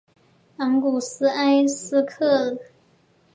昂古斯廷埃斯卡勒德新城。